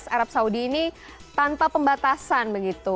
arab saudi ini tanpa pembatasan begitu